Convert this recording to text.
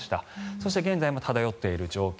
そして、現在も漂っている状況。